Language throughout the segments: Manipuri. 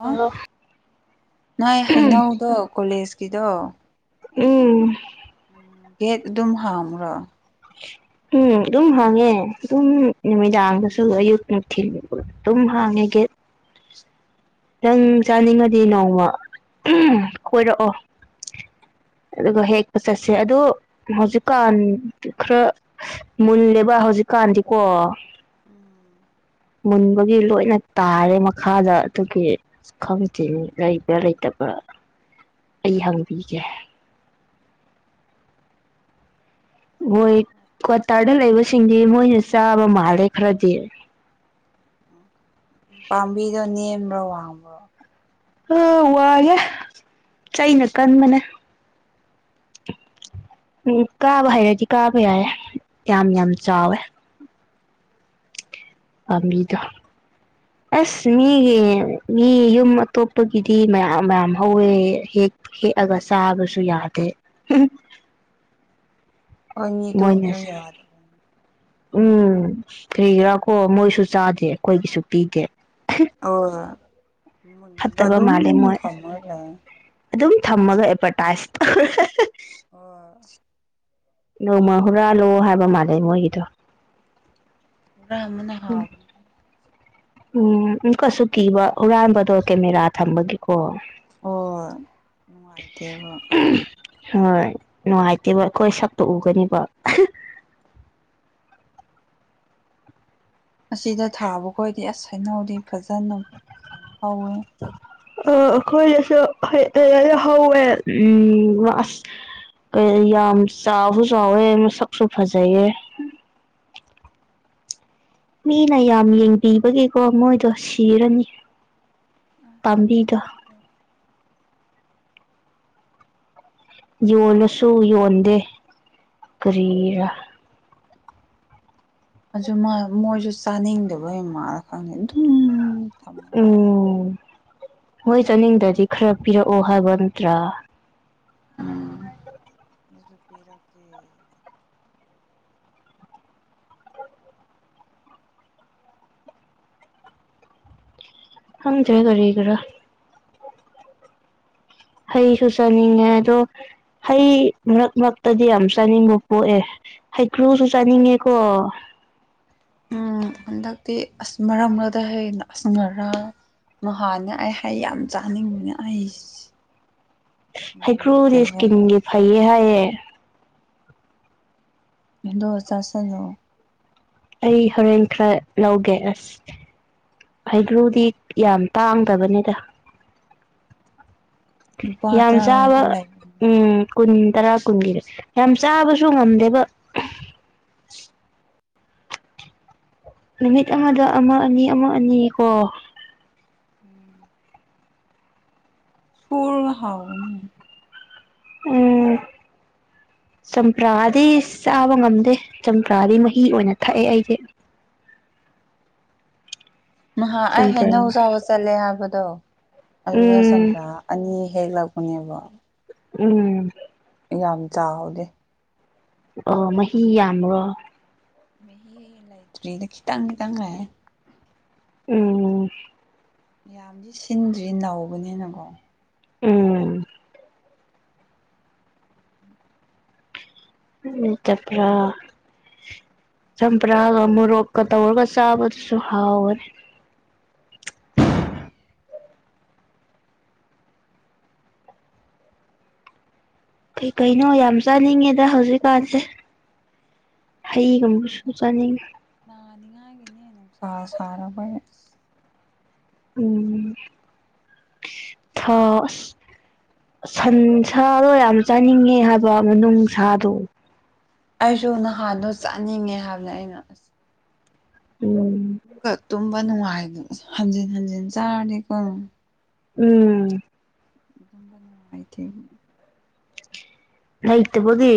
ꯍꯥ ꯑꯣ ꯅꯣꯏ ꯍꯩꯅꯧꯗꯣ ꯀꯣꯂꯦꯖꯀꯤꯗꯣ ꯎꯝ ꯒꯦꯠ ꯑꯗꯨꯝ ꯍꯥꯡꯕꯔꯣ ꯎꯝ ꯑꯗꯨꯝ ꯍꯥꯡꯉꯦ ꯑꯗꯨꯝ ꯅꯨꯃꯤꯗꯥꯡꯗꯁꯨ ꯑꯌꯨꯛ ꯅꯨꯡꯊꯤꯜ ꯑꯗꯨꯝ ꯍꯥꯡꯉꯦ ꯒꯦꯠ [inaudible] ꯅꯪ ꯆꯥꯅꯤꯡꯉꯗꯤ ꯅꯣꯡꯃ ꯑꯍꯝ ꯀꯣꯏꯔꯛꯑꯣ [inaudible] ꯑꯗꯨꯒ ꯍꯦꯛꯄ ꯆꯠꯁꯦ ꯑꯗꯨ ꯍꯧꯖꯤꯛꯀꯥꯟ ꯈꯔ ꯃꯨꯜꯂꯦꯕ ꯍꯧꯖꯤꯛ ꯀꯥꯟꯗꯤꯀꯣ ꯎꯝ ꯃꯨꯟꯕꯒꯤ ꯂꯣꯏꯅ ꯇꯥꯔꯦ ꯃꯈꯥꯗ ꯑꯗꯨꯒꯤ ꯈꯪꯗꯦꯅꯦ ꯂꯩꯕ꯭ꯔꯥ ꯂꯩꯇꯕ꯭ꯔꯥ ꯑꯩ ꯍꯪꯕꯤꯒꯦ [inaudible] ꯍꯣꯏ ꯎꯝ ꯀ꯭ꯋꯥꯇꯥꯔꯗ ꯂꯩꯕꯁꯤꯡꯗꯤ ꯃꯣꯏꯅ ꯆꯥꯕ ꯃꯥꯜꯂꯦ ꯈꯔꯗꯤ ꯄꯥꯝꯕꯤꯗ ꯅꯦꯝꯕ꯭ꯔꯥ ꯋꯥꯕ꯭ꯔꯣ ꯑ ꯋꯥꯏꯌꯦ ꯆꯩꯩꯅ ꯀꯟꯕꯅꯦ ꯎꯝ ꯀꯥꯕ ꯍꯩꯔꯗꯤ ꯀꯥꯕ ꯌꯥꯏꯌꯦ ꯌꯥꯝ ꯌꯥꯝ ꯑꯁ ꯆꯥꯎꯋꯦ ꯄꯥꯝꯕꯤꯗꯣ ꯑꯁ ꯃꯤꯒꯤ ꯃꯤ ꯌꯨꯝ ꯑꯇꯣꯞꯄꯒꯤꯗꯤ ꯃꯌꯥꯝ ꯃꯌꯥꯝ ꯍꯧꯋꯦ ꯍꯦ ꯍꯦꯛꯑꯒ ꯆꯥꯕꯁꯨ ꯌꯥꯗꯦ ꯃꯣꯏꯅ ꯑꯅꯤꯗꯨꯕꯨꯖꯨ ꯌꯥ ꯎꯝ ꯀꯔꯤꯒꯤꯔꯥ ꯀꯣ ꯃꯣꯏꯁꯨ ꯆꯥꯗꯦ ꯑꯩꯈꯣꯏꯒꯤꯁꯨ ꯄꯤꯗꯦ ꯑꯑꯣꯏ ꯐꯠꯇꯕ ꯑꯗꯨꯝ ꯃꯥꯜꯂꯦ ꯃꯣꯏ ꯊꯝꯂ ꯂꯩꯔꯅꯤ ꯑꯗꯨꯝ ꯊꯝꯃꯒ ꯑꯦꯗꯚꯔꯇꯥꯏꯁ ꯇꯧꯔ ꯑꯍꯣꯏ ꯅꯣꯡꯃ ꯍꯨꯔꯥꯜꯂꯨ ꯍꯥꯏꯕ ꯃꯥꯜꯂꯦ ꯃꯣꯏꯒꯤꯗꯣ ꯍꯨꯔꯥꯟꯕꯅ ꯍꯥꯥꯎ ꯎꯝ ꯎꯝꯀꯁꯨ ꯀꯤꯕ ꯍꯨꯔꯥꯟꯕꯗꯣ ꯀꯦꯃꯦꯔꯥ ꯊꯝꯕꯒꯤꯀꯣ ꯑꯣ ꯅꯨꯡꯉꯥꯏꯇꯦꯕ ꯍꯣꯏ ꯅꯨꯡꯉꯥꯏꯇꯦꯕ ꯑꯩꯈꯣꯏ ꯁꯛꯇꯣ ꯎꯒꯅꯤꯕ ꯑꯁꯤꯗ ꯊꯥꯕ ꯈꯣꯏꯗꯤ ꯑꯁ ꯍꯩꯅꯧꯗꯤ ꯐꯖꯅ ꯍꯧꯋꯦ [unintelligible] ꯀꯩ ꯌꯥꯝ ꯆꯥꯎꯁꯨ ꯆꯥꯎꯋꯦ ꯃꯁꯛꯁꯨ ꯐꯖꯩꯌꯦ ꯃꯤꯅ ꯌꯥꯝ ꯌꯦꯡꯕꯤꯕꯒꯤꯀꯣ ꯃꯣꯏꯗꯣ ꯁꯤꯔꯅꯤ ꯄꯥꯝꯕꯤꯗꯣ ꯌꯣꯜꯂꯁꯨ ꯌꯣꯟꯗꯦ ꯀꯔꯤꯔꯥ ꯑꯖꯨꯃ ꯃꯣꯏꯁꯨ ꯆꯥꯅꯤꯡꯗꯕꯩ ꯃꯥꯜꯂ ꯈꯪꯗꯦ ꯑꯗꯨꯝ ꯊꯝꯃꯒ ꯂꯩ ꯎꯝ ꯃꯣꯏ ꯆꯠꯅꯤꯡꯗꯗꯤ ꯈꯔ ꯄꯤꯔꯛꯑꯣ ꯍꯥꯏꯕ ꯅꯠꯇ꯭ꯔꯥ ꯎꯝ [unintelligible] ꯈꯪꯗꯔꯦ ꯀꯔꯤꯒꯤꯔꯥ ꯍꯩꯁꯨ ꯆꯥꯅꯤꯡꯉꯦ ꯑꯗꯣ ꯍꯩ ꯃꯔꯛ ꯃꯔꯛꯇꯗꯤ ꯌꯥꯝ ꯆꯥꯅꯤꯡꯕ ꯄꯣꯛꯑꯦ ꯍꯩꯀ꯭ꯔꯨꯁꯨ ꯆꯥꯅꯤꯡꯉꯦꯀꯣ ꯎꯝ ꯍꯟꯗꯛꯇꯤ ꯑꯁ ꯃꯔꯛ ꯃꯔꯛꯇ ꯍꯩꯅ ꯑꯁ ꯉꯔꯥꯡ ꯅꯍꯥꯟꯅ ꯑꯩ ꯍꯩ ꯌꯥꯝ ꯆꯥꯅꯤꯡꯕꯅꯦ ꯑꯩꯁ ꯍꯩꯀ꯭ꯔꯨꯗꯤ ꯂꯩꯇꯕ ꯏꯁꯀꯤꯟꯒꯤ ꯐꯩꯌꯦ ꯍꯥꯏꯌꯦ [unintelligible] ꯑꯩ ꯍꯣꯔꯦꯟ ꯈꯔ ꯂꯧꯒꯦ ꯑꯁ ꯍꯩꯒ꯭ꯔꯨꯗꯤ ꯌꯥꯝ ꯇꯥꯡꯗꯕꯅꯦꯗ [inaudible] ꯂꯨꯄꯥ ꯌꯥꯝ ꯆꯥꯕ ꯇꯔꯥꯁꯨ ꯂꯩꯕꯅꯦ ꯎꯝ ꯀꯨꯟ ꯇꯔꯥ ꯀꯨꯟꯒꯤ ꯌꯥꯝ ꯆꯥꯕꯁꯨ ꯉꯝꯗꯦꯕ ꯅꯨꯃꯤꯠ ꯑꯃꯗ ꯑꯃ ꯑꯅꯤ ꯑꯃ ꯑꯅꯤ ꯀꯣ ꯎꯝ ꯁꯨꯔꯒ ꯍꯥꯎꯕꯅꯦ ꯎꯝ [inaudible] ꯆꯝꯄ꯭ꯔꯥꯗꯤꯁ ꯆꯥꯕ ꯉꯝꯗꯦ ꯆꯝꯄ꯭ꯔꯥꯗꯤ ꯃꯍꯤ ꯑꯣꯏꯅ ꯊꯛꯑꯦ ꯑꯩꯗꯤ [inaudible] ꯅꯍꯥ ꯑꯩ ꯆꯝꯄ꯭ꯔꯥ ꯍꯩꯅꯧ ꯆꯥꯎꯕ ꯆꯠꯂꯦ ꯍꯥꯏꯕꯗꯣ ꯑꯗꯨꯗ ꯎꯝ ꯆꯝꯄ꯭ꯔꯥ ꯑꯅꯤ ꯍꯦꯛꯂꯥꯛꯄꯅꯦꯕ ꯎꯝ ꯌꯥꯝ ꯆꯥꯎꯗꯦ ꯑꯣ ꯃꯍꯤ ꯌꯥꯝꯕꯔꯣ ꯃꯍꯤ ꯂꯩꯇ꯭ꯔꯤꯗ ꯈꯤꯇꯪ ꯈꯤꯇꯪ ꯂꯩꯌꯦ ꯎꯝ ꯌꯥꯝꯗꯤ ꯁꯤꯟꯗ꯭ꯔꯤ ꯅꯧꯕꯅꯤꯅꯀꯣ ꯎꯝ ꯎꯝ ꯆꯞꯄꯔꯥ ꯆꯝꯄ꯭ꯔꯥꯒ ꯃꯣꯔꯣꯛꯀ ꯇꯧꯔꯒ ꯆꯥꯕꯗꯨꯁꯨ ꯍꯥꯎꯕꯅꯦ ꯀꯩ ꯀꯩꯅꯣ ꯌꯥꯝ ꯆꯥꯅꯤꯡꯉꯦꯗ ꯍꯧꯖꯤꯛꯀꯥꯟꯁꯦ ꯍꯩꯒꯨꯝꯕꯁꯨ ꯆꯥꯅꯤꯡꯉꯤ [unintelligible] ꯎꯝ ꯊ ꯥ ꯑꯁ ꯁꯟ ꯁꯥꯗꯣ ꯌꯥꯝ ꯆꯥꯅꯤꯡꯉꯦ ꯍꯥꯏꯕ ꯃꯅꯨꯡ ꯁꯥꯗꯣ ꯑꯩꯁꯨ ꯅꯍꯥꯗꯣ ꯆꯥꯅꯤꯡꯉꯦ ꯍꯥꯏꯕꯅꯦ ꯑꯩꯅ ꯑꯁ ꯎꯝ ꯨꯀ ꯇꯨꯝꯕ ꯅꯨꯡꯉꯥꯏ ꯍꯟꯖꯤꯟ ꯍꯟꯖꯤꯟ ꯆꯥꯔꯗꯤꯀꯣ ꯎꯝ [inaudible] ꯂꯩꯇꯕꯒꯤ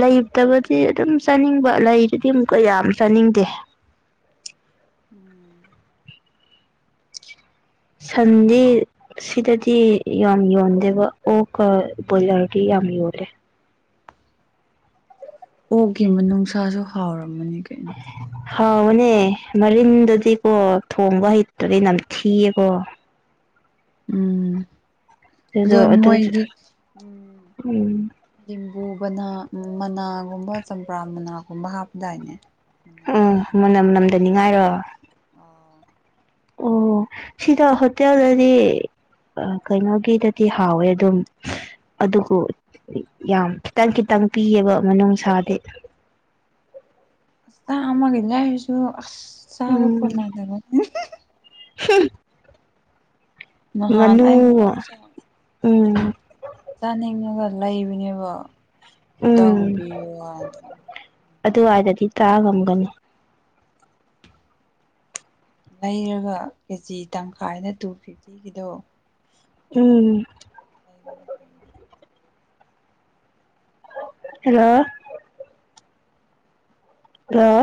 ꯂꯩꯇꯕꯗꯤ ꯑꯗꯨꯝ ꯆꯥꯅꯤꯡꯕ ꯂꯩꯔꯗꯤ ꯑꯃꯨꯛꯀ ꯌꯥꯝ ꯆꯥꯅꯤꯡ ꯗꯦ [inaudible] ꯁꯟꯗꯤ ꯁꯤꯗꯗꯤ ꯌꯥꯝ ꯌꯣꯟꯗꯦꯕ ꯑꯣꯛꯀ ꯕꯣꯏꯂꯔꯗꯤ ꯌꯥꯝ ꯌꯥꯝ ꯌꯦꯜꯂꯦ ꯑꯣꯛꯒꯤ ꯃꯅꯨꯡꯁꯥꯁꯨ ꯍꯥꯎꯔꯝꯃꯅꯤ ꯀꯩꯅꯣ ꯍꯥꯎꯕꯅꯦ ꯃꯔꯤꯟꯗꯨꯗꯤꯀꯣ ꯊꯣꯡꯕ ꯍꯩꯇꯗꯤ ꯅꯝꯊꯤꯌꯦꯀꯣ ꯎꯝ ꯑꯗꯣ ꯑꯗꯨꯁꯨ ꯑꯗꯨ ꯃꯣꯏꯗꯤ ꯎꯝ ꯎꯝ ꯎꯨꯕꯅꯥ ꯃꯅꯥꯒꯨꯝꯕ ꯆꯝꯄ꯭ꯔꯥ ꯃꯅꯥꯒꯨꯝꯕ ꯍꯥꯞꯄꯗꯥꯏꯅꯦ [unintelligible] ꯗꯅꯤꯡꯉꯥꯏꯔꯣ ꯑꯣ ꯑꯣ ꯁꯤꯗ ꯍꯣꯇꯦꯜꯗꯗꯤ ꯑꯥ ꯀꯩꯅꯣꯒꯤꯗꯗꯤ ꯍꯥꯎꯋꯦ ꯑꯗꯨꯝ ꯑꯗꯨꯒꯨ ꯌꯥꯝ ꯈꯤꯇꯪ ꯈꯤꯇꯪ ꯄꯤꯌꯦꯕ ꯃꯅꯨꯡꯁꯥꯗꯤ ꯆꯥꯝꯃꯥꯒꯤ ꯂꯥꯏꯔꯁꯨ ꯑꯁ ꯆꯥꯕ ꯀꯣꯟꯅꯗꯕ ꯑꯍꯤꯍꯤ ꯍꯨꯝ ꯅꯥꯍꯥꯟ ꯑꯩ ꯃꯅꯨꯡꯁ ꯎꯝ ꯆꯥꯅꯤꯡꯉꯒ ꯂꯩꯕꯅꯦꯕ ꯈꯤꯇꯪ ꯎꯝ ꯄꯤꯕꯋꯥꯅꯦ ꯑꯗꯨꯋꯥꯏꯗꯗꯤ ꯇꯥꯡꯉꯝꯒꯅꯤ ꯂꯩꯔꯒ ꯀꯦꯖꯤ ꯇꯪꯈꯥꯏꯗ ꯇꯨ ꯐꯤꯐꯇꯤꯒꯤꯗꯣ ꯎꯝ [unintelligible] ꯍꯜꯂꯣ ꯍꯜꯂꯣ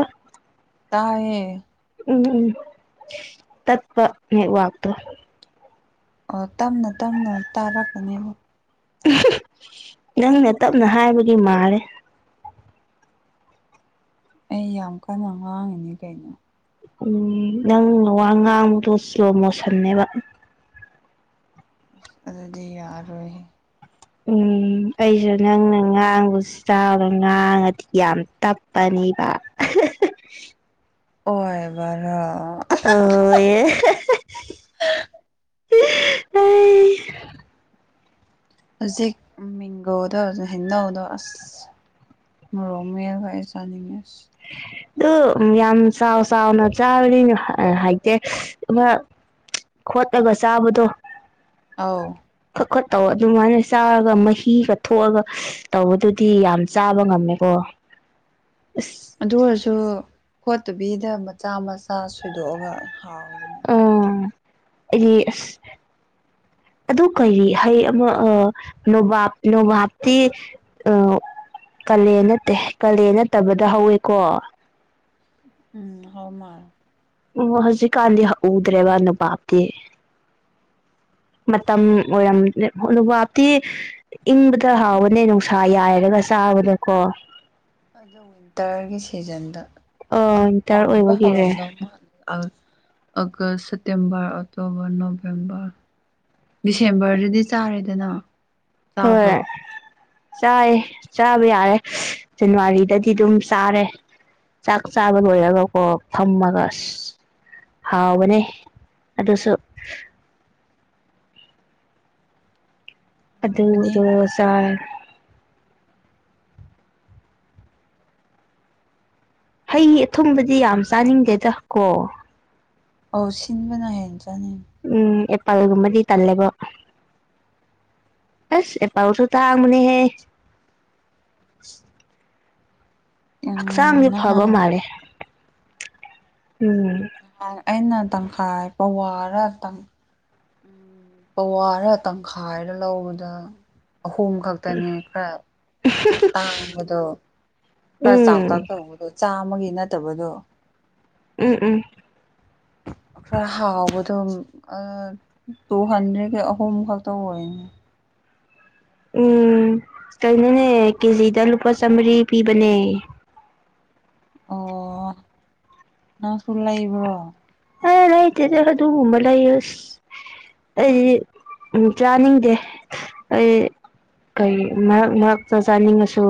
ꯇꯥꯏꯌꯦ ꯎꯝ ꯎꯝ ꯇꯠꯄ ꯅꯦꯠꯋꯥꯛꯇꯣ ꯑꯣ ꯇꯞꯅ ꯇꯝꯅ ꯇꯥꯔꯛꯀꯅꯦ ꯃꯨꯛ ꯅꯪꯅ ꯇꯞꯅ ꯍꯥꯏꯕꯒꯤ ꯃꯥꯂꯦ ꯑꯩ ꯌꯥꯝ ꯀꯟꯅ ꯉꯥꯡꯉꯤꯅꯤ ꯀꯩꯅꯣ ꯎꯝ ꯅꯪ ꯋꯥ ꯉꯥꯡꯕꯗꯣ ꯁꯂꯣ ꯃꯣꯁꯟꯅꯦꯕ ꯑꯁ ꯑꯗꯨꯗꯤ ꯌꯥꯔꯔꯣꯏ ꯍꯦ ꯎꯝ ꯑꯩꯁꯨ ꯅꯪꯅ ꯉꯥꯡꯕꯁꯤ ꯆꯥꯎꯅ ꯉꯥꯡꯉꯗꯤ ꯌꯥꯝ ꯇꯞꯄꯅꯦ [unintelligible] ꯑꯣꯏꯕꯔꯣ ꯑꯣꯌꯦ [unintelligible] [unintelligible] ꯍꯧꯖꯤꯛ ꯃꯤꯡꯒꯣꯗꯣ ꯍꯩꯅꯧꯗꯣ ꯑꯁ ꯃꯣꯔꯣꯛ ꯃꯦꯠꯂꯒ ꯑꯩꯁ ꯆꯥꯅꯤꯡꯉꯦꯁ ꯑꯗꯨ ꯌꯥꯝ ꯆꯥꯎ ꯆꯥꯎꯅ ꯆꯥꯔꯗꯤ ꯑ ꯍꯩꯇꯦ ꯑꯃ ꯈꯣꯠꯂꯒ ꯆꯥꯕꯗꯣ ꯑꯥꯎ ꯈꯣꯠꯇꯧꯑꯣ ꯑꯗꯨꯃꯥꯏꯅ ꯆꯥꯔꯒ ꯃꯍꯤꯒ ꯊꯣꯛꯑꯒ ꯇꯧꯕꯗꯨꯗꯤ ꯌꯥꯝ ꯆꯥꯕ ꯉꯝꯃꯦꯀꯣ [inaudible] ꯑꯁ ꯑꯗꯨ ꯑꯣꯏꯔꯁꯨ ꯈꯣꯠꯇꯕꯤꯗ ꯃꯆꯥ ꯃꯆꯥ ꯁꯣꯏꯗꯣꯛꯑꯒ ꯍꯥꯎꯕꯅꯦ ꯑꯩ ꯑꯁ [inaudible] ꯑꯗꯨ ꯀꯔꯤ ꯍꯩ ꯑꯃ ꯑ ꯅꯣꯕꯥꯞ ꯅꯣꯕꯥꯞꯇꯤ ꯑꯥ ꯀꯥꯂꯦꯟ ꯅꯠꯇꯦ ꯀꯥꯂꯦꯟ ꯅꯠꯇꯕꯗ ꯍꯧꯋꯦꯀꯣ ꯎꯝ ꯍꯧꯃꯥꯜ ꯑꯣ ꯍꯧꯖꯤꯛꯀꯥꯟꯗꯤ ꯎꯗ꯭ꯔꯦꯕ ꯅꯣꯕꯥꯞꯗꯤ [inaudible] ꯃꯇꯝ ꯑꯣꯏꯔꯝ ꯅꯨ ꯅꯨꯕꯥꯞꯇꯤ ꯏꯪꯕꯗ ꯍꯥꯎꯕꯅꯦ ꯅꯨꯡꯁꯥ ꯌꯥꯏꯔꯒ ꯆꯥꯕꯗꯀꯣ ꯑꯗꯣ ꯋꯤꯟꯇꯔꯒꯤ ꯁꯤꯖꯟꯗ ꯑꯣ ꯋꯤꯟꯇꯔ ꯄꯥꯟꯕ ꯑꯣꯏꯕꯒꯤꯔꯦ ꯍꯧꯔꯝꯗꯧ ꯃꯦꯜꯂꯦ ꯑꯧ ꯑꯒꯁ ꯁꯦꯞꯇꯦꯝꯕꯔ ꯑꯣꯛꯇꯣꯕꯔ ꯅꯣꯕꯦꯝꯕꯔ ꯗꯤꯁꯦꯝꯕꯔꯗꯗꯤ ꯆꯥꯔꯦꯗꯅ ꯆꯥꯕ꯭ꯔꯣ ꯍꯣꯏ ꯆꯥꯏ ꯆꯥꯕ ꯌꯥꯔꯦ ꯖꯅꯋꯥꯔꯤꯗꯗꯤ ꯑꯗꯨꯝ ꯆꯥꯔꯦ ꯆꯥꯛ ꯆꯥꯕ ꯂꯣꯏꯔꯒꯀꯣ ꯐꯝꯃꯒ ꯑꯁ ꯍꯥꯎꯕꯅꯦ ꯑꯗꯨꯁꯨ ꯍꯥꯎꯕꯅꯦ ꯑꯗꯨꯗꯣ ꯆꯥꯔꯦ ꯍꯩ ꯑꯊꯨꯝꯕꯗꯤ ꯌꯥꯝ ꯆꯥꯅꯤꯡꯗꯦꯗ ꯀꯣ ꯑꯣ ꯁꯤꯟꯕꯅ ꯍꯦꯟ ꯎꯝ ꯑꯦꯄꯥꯜꯒꯨꯝꯕꯗꯤ ꯇꯜꯂꯦꯕꯣ ꯑꯁ ꯑꯦꯄꯜꯁꯨ ꯇꯥꯡꯕꯅꯦꯍꯦ ꯎꯝ ꯍꯛꯆꯥꯡꯁꯦ ꯐꯕ ꯅꯍꯥꯟ ꯃꯥꯜꯂꯦ ꯎꯝ ꯅꯍꯥꯟ ꯑꯩꯅ ꯇꯪꯈꯥꯏ ꯄꯋꯥꯔ ꯄꯋꯥꯔ ꯇꯪꯈꯥꯏꯔ ꯂꯧꯕꯗ ꯑꯍꯨꯝ ꯈꯛꯇꯅꯦ ꯈꯔ ꯇꯥꯡꯕꯗꯣ ꯈꯔ ꯆꯥꯎꯇꯥꯛ ꯎꯝ ꯇꯧꯕꯗꯣ ꯆꯥꯃꯒꯤ ꯅꯠꯇꯕꯗꯣ ꯎꯝ ꯎꯝ [inaudible] ꯈꯔ ꯍꯥꯎꯕꯗꯣ ꯇꯨꯍꯟꯗ꯭ꯔꯦꯠꯀꯤ ꯑꯍꯨꯝ ꯈꯛꯇ ꯑꯣꯏꯅꯤ ꯎꯝ ꯀꯩꯅꯣꯅꯦ ꯀꯦꯖꯤꯗ ꯂꯨꯄꯥ ꯆꯥꯃ꯭ꯔꯤ ꯄꯤꯕꯅꯦ ꯑꯣ ꯅꯪꯁꯨ ꯂꯩꯕ꯭ꯔꯣ ꯑꯥ ꯂꯩꯥꯇꯦꯗ ꯑꯗꯨꯒꯨꯝꯕ ꯂꯩꯕ ꯑꯁ ꯑꯩ ꯎꯝ ꯆꯥꯅꯤꯡꯗꯦ ꯑꯩ ꯀꯩ ꯃꯔꯛ ꯃꯔꯛꯇ ꯆꯥꯅꯤꯡꯉꯁꯨ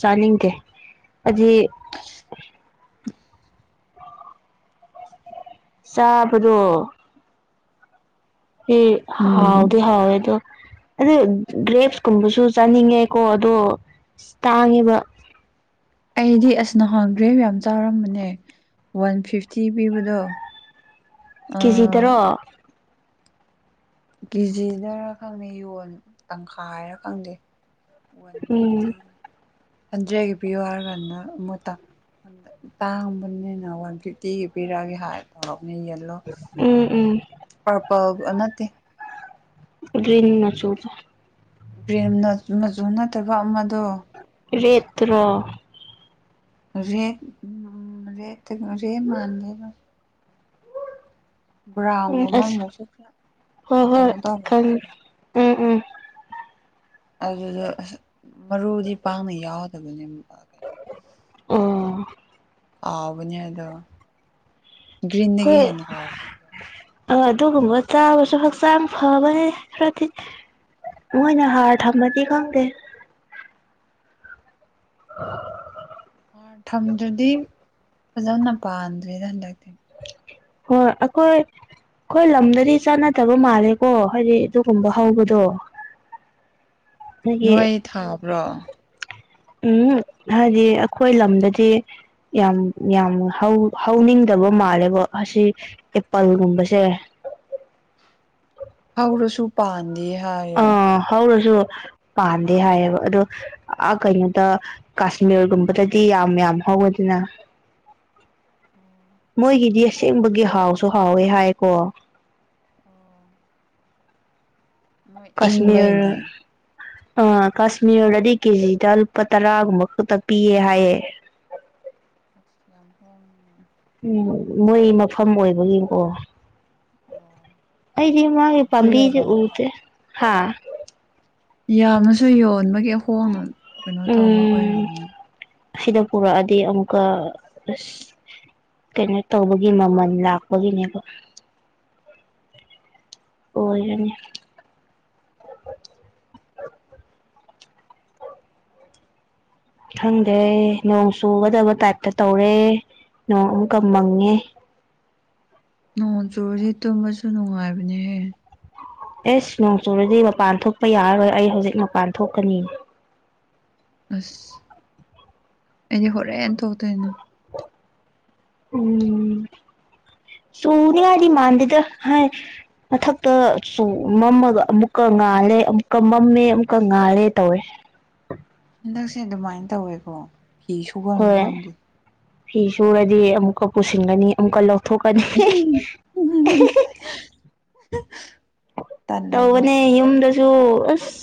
ꯆꯥꯅꯤꯡꯗꯦ ꯑꯗꯤ [inaudible] ꯆꯥꯕꯗꯣ ꯑꯦ ꯍꯥꯎꯗꯤ ꯎꯝ ꯍꯥꯎꯋꯦ ꯗꯣ ꯑꯗꯨ ꯒ꯭ꯔꯦꯞꯁꯀꯨꯝꯕꯁꯨ ꯆꯥꯅꯤꯡꯉꯦ ꯑꯗꯣ ꯑꯁ ꯇꯥꯡꯉꯦꯕ ꯑꯩꯗꯤ ꯑꯁ ꯅꯍꯥꯟ ꯒ꯭ꯔꯦꯞ ꯌꯥꯝ ꯆꯥꯔꯝꯕꯅꯦ ꯋꯥꯟ ꯐꯤꯐꯇꯤ ꯄꯤꯕꯗꯣ ꯀꯦꯖꯤ ꯑꯥ ꯗꯔꯣ? ꯀꯦꯖꯤꯗꯔ ꯈꯪꯗꯦ ꯌꯣꯟꯂꯤꯗꯣ ꯇꯪꯈꯥꯏꯔ ꯈꯪꯗꯦ ꯋꯥꯟ ꯎꯝ ꯐꯤꯐꯇꯤ ꯍꯟꯗ꯭ꯔꯦꯠꯀꯤ ꯄꯤꯌꯨ ꯍꯥꯏꯔꯒꯥꯟꯅ ꯑꯃꯨꯛ ꯇꯥꯡꯕꯅꯤꯅ ꯋꯥꯟ ꯐꯤꯐꯇꯤꯒꯤ ꯄꯤꯔꯛꯑꯒꯦ ꯍꯥꯏꯔꯒ ꯄꯤꯔꯛꯄ ꯌꯦꯜꯂꯣ ꯎꯝ ꯎꯝ ꯄꯔꯄꯜ ꯅꯠꯇꯦ ꯒ꯭ꯔꯤꯟ ꯃꯆꯨꯗ ꯄ꯭ꯔꯦꯝꯅ ꯆꯨ ꯃꯆꯨ ꯅꯠꯇꯕ ꯑꯃꯗꯣ ꯔꯦꯠꯇꯨꯔꯣ ꯔꯦꯠ ꯔꯦꯠꯇꯤ ꯃꯥꯥꯟꯗꯦꯗ ꯎꯝ ꯑꯁ ꯑꯃꯨꯛꯁꯨ ꯈꯔ ꯍꯣꯏ ꯍꯣꯏ ꯀꯩꯅꯣ ꯇꯧꯋꯦ ꯈꯪꯏ ꯎꯝ ꯎꯝ ꯑꯗꯨꯗꯣ ꯑꯁ ꯃꯔꯨꯗꯤ ꯄꯥꯛꯅ ꯌꯥꯎꯗꯕꯅꯦꯕ ꯎꯝ ꯍꯥꯎꯕꯅꯦ ꯑꯗꯣ ꯒ꯭ꯔꯤꯟꯗꯒꯤ ꯍꯦꯟꯅ ꯍꯥꯎꯕꯅꯦ ꯑꯥ ꯑꯗꯨꯒꯨꯝꯕ ꯆꯥꯕꯁꯨ ꯍꯛꯆꯥꯡ ꯐꯕꯅꯦ ꯈꯔꯗꯤ ꯃꯣꯏꯅ ꯍꯥꯔ ꯊꯝꯃꯗꯤ ꯈꯪꯗꯦ [inaudible] ꯍꯥꯔ ꯊꯝꯗ꯭ꯔꯗꯤ ꯐꯖꯅ ꯄꯥꯟꯗꯔꯦꯗ ꯍꯟꯗꯛꯇꯤ ꯍꯣꯏ ꯑꯩꯈꯣꯏ ꯑꯩꯈꯣꯏ ꯂꯝꯗꯗꯤ ꯆꯥꯅꯗꯕ ꯃꯥꯜꯂꯦꯀꯣ ꯍꯥꯏꯗꯤ ꯑꯗꯨꯒꯨꯝꯕ ꯎꯝ ꯍꯧꯕꯗꯣ ꯑꯩꯈꯣꯏꯒꯤ ꯅꯣꯏ ꯊꯥꯕ꯭ꯔꯣ? ꯎꯝꯎꯨꯝ ꯍꯥꯏꯗꯤ ꯑꯩꯈꯣꯏ ꯂꯝꯗꯗꯤ ꯌꯥꯝ ꯌꯥꯝ ꯍꯧ ꯍꯧꯅꯤꯡꯗꯕ ꯃꯥꯜꯂꯦꯕꯣ ꯑꯁꯤ ꯑꯦꯄꯜꯒꯨꯝꯕꯁꯦ ꯍꯧꯔꯁꯨ ꯄꯥꯟꯗꯦ ꯍꯥꯏꯌꯦ ꯗꯨ ꯄꯥꯟꯗꯦ ꯍꯥꯏꯌꯦꯕ ꯑꯗꯨ ꯑꯥ ꯀꯩꯅꯣꯗ ꯀꯥꯁꯃꯤꯔꯒꯨꯝꯕꯗꯤ ꯌꯥꯝ ꯄꯜꯂꯦ ꯌꯝ ꯍꯧꯕꯅꯤꯅ [inaudible] ꯃꯣꯏꯒꯤꯗꯤ ꯑꯁꯦꯡꯕꯒꯤ ꯍꯥꯎꯁꯨ ꯍꯥꯎꯋꯦ ꯍꯥꯏꯀꯣ [inaudible] ꯃꯣꯏ ꯀꯥꯁꯃꯤꯔ ꯏꯪꯕꯩꯅꯦ ꯑꯥ ꯀꯥꯁꯃꯤꯔꯗꯗꯤ ꯀꯦꯖꯤꯗ ꯂꯨꯄꯥ ꯇꯔꯥꯒꯨꯝꯕ ꯈꯛꯇ ꯄꯤꯌꯦ ꯍꯥꯏꯌꯦ [inaudible] ꯎꯝ ꯃꯣꯏ ꯃꯐꯝ ꯑꯣꯏꯕꯒꯤꯅꯦ꯫ ꯑꯣ ꯑꯩꯗꯤ ꯃꯥꯒꯤ ꯌꯥꯝꯁꯨ ꯄꯥꯝꯕꯤꯖꯦ ꯌꯣꯜꯂꯝꯅꯦ ꯎꯗꯦ꯫ ꯍꯥꯥ ꯌꯥꯝꯅꯁꯨ ꯌꯣꯟꯕꯒꯤ ꯍꯣꯡꯅ ꯀꯩꯅꯣ ꯇꯧꯕ ꯎꯝ ꯑꯣꯏꯔꯝꯅꯦ꯫ ꯁꯤꯗ ꯄꯨꯔꯛꯑꯗꯤ ꯑꯃꯨꯛꯀ ꯀꯩꯅꯣ ꯇꯧꯕꯒꯤ ꯃꯃꯜ ꯂꯥꯛꯄꯒꯤꯅꯦꯕ ꯑꯣꯏꯔꯅꯤ [inaudible] ꯈꯪꯗꯦ ꯅꯣꯡ ꯆꯨꯒꯗꯕ ꯇꯥꯏꯞꯇ ꯇꯧꯔꯦ ꯅꯣꯡ ꯑꯃꯨꯛꯀ ꯃꯪꯉꯦ ꯅꯣꯡ ꯆꯨꯔꯁꯦ ꯇꯨꯝꯕꯁꯨ ꯅꯨꯡꯉꯥꯏꯕꯅꯦꯍꯦ ꯑꯦꯁ ꯅꯣꯡ ꯆꯨꯨꯔꯗꯤ ꯃꯄꯥꯟ ꯊꯣꯛꯄ ꯌꯥꯔꯔꯣꯏ ꯑꯩ ꯍꯧꯖꯤꯛ ꯃꯄꯥꯟ ꯊꯣꯛꯀꯅꯤ ꯑꯁ ꯑꯩꯗꯤ ꯍꯣꯔꯦꯟ ꯊꯣꯛꯇꯣꯏꯅꯦ ꯎꯝ ꯆꯨꯅꯤꯉꯥꯏꯗꯤ ꯃꯥꯟꯗꯦꯗ ꯍꯥꯏ ꯃꯊꯛꯇ ꯆꯨ ꯃꯝꯃꯒ ꯑꯃꯨꯛꯀ ꯉꯥꯜꯂꯦ ꯑꯃꯨꯛꯀ ꯃꯝꯃꯦ ꯑꯃꯨꯛꯀ ꯉꯥꯜꯂꯦ ꯇꯧꯋꯦ ꯑꯣ ꯐꯤ ꯁꯨꯕꯝꯒ ꯍꯣꯏ ꯈꯪꯗꯦ ꯐꯤ ꯁꯨꯔꯗꯤ ꯑꯃꯨꯛꯀ ꯄꯨꯁꯤꯟꯒꯅꯤ ꯑꯃꯨꯛꯀ ꯂꯧ ꯊꯣꯛꯀꯅꯤ ꯍꯦꯍꯦ ꯑꯍꯦꯍꯦ ꯇꯜꯂꯦꯕ ꯇꯧꯕꯅꯦ ꯌꯨꯝꯗꯁꯨ ꯑꯁ